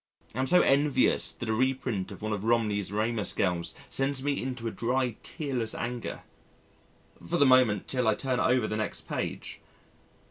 I am so envious that a reprint of one of Romney's Ramus girls sends me into a dry tearless anger for the moment till I turn over the next page....